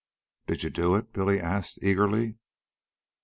"Did you do it?" Billy asked eagerly.